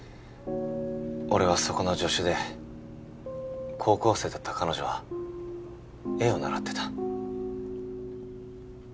俺はそこの助手で高校生だった彼女は絵を習ってた。